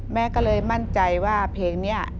แม่ก็เลยมั่นใจว่าเพลงนี้